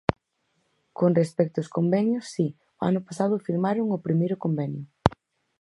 Con respecto aos convenios, si, o ano pasado firmaron o primeiro convenio.